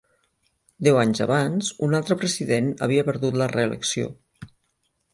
Deu anys abans, un altre president havia perdut la reelecció.